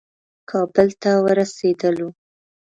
کابل ته ورسېدلو.